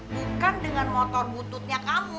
bukan dengan motor budutnya kamu